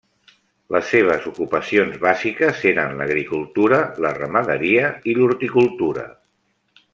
Les seves ocupacions bàsiques eren l'agricultura, la ramaderia i l'horticultura.